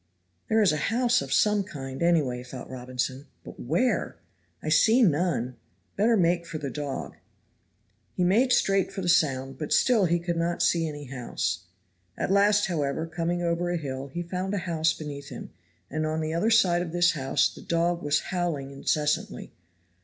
"There is a house of some kind anyway," thought Robinson, "but where? I see none better make for the dog." He made straight for the sound, but still he could not see any house. At last, however, coming over a hill he found a house beneath him, and on the other side of this house the dog was howling incessantly.